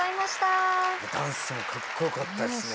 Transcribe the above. ダンスもかっこよかったですね。